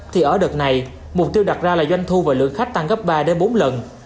thì ở đợt này mục tiêu đặt ra là doanh thu và lượng khách tăng gấp ba bốn lần